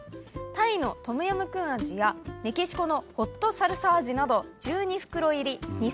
タイのトムヤムクン味やメキシコのホットサルサ味など。